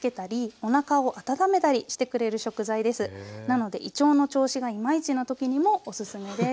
なので胃腸の調子がいまいちな時にもおすすめです。